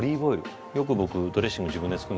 よく僕ドレッシング自分で作るんですけど。